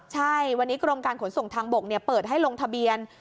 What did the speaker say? ใช่วันนี้กรมการขนส่งทางบกเปิดให้ลงทะเบียน